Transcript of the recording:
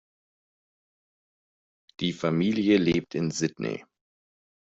Die Familie lebt in Sydney.